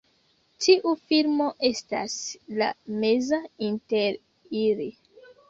Tiu filmo estas la meza inter ili.